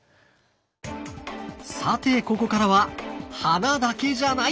さてここからは花だけじゃない！